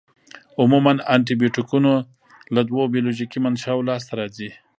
عموماً انټي بیوټیکونه له دوو بیولوژیکي منشأوو لاس ته راځي.